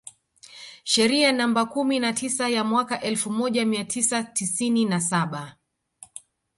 Sheria namba kumi na tisa ya mwaka elfu moja mia tisa tisini na saba